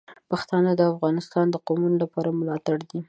پښتانه د افغانستان د قومونو لپاره ملاتړي دي.